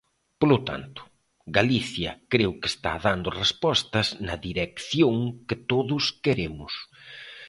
Polo tanto, Galicia creo que está dando respostas na dirección que todos queremos.